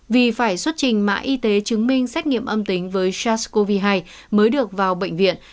vì phải xuất trình mã y tế chứng minh xét nghiệm âm tính với sars cov hai mới được vào bệnh viện